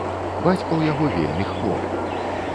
Бацька ў яго вельмі хворы.